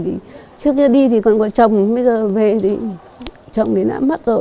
trước kia đi thì còn có chồng bây giờ về thì chồng đã mất rồi